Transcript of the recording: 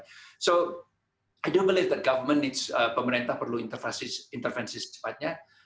jadi saya tidak percaya bahwa pemerintah perlu intervensi secepatnya